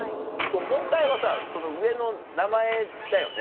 問題はさ上の名前だよね。